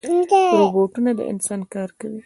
روبوټونه د انسان کار کوي